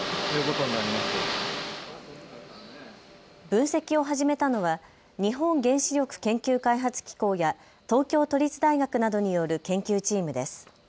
分析を始めたのは日本原子力研究開発機構や東京都立大学などによる研究チームです。